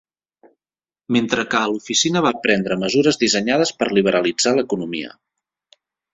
Mentre que a l'oficina va prendre mesures dissenyades per liberalitzar l'economia.